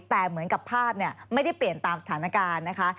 แต่เหมือนกับภาพไม่ได้เปลี่ยนตามสถานการณ์นะคะ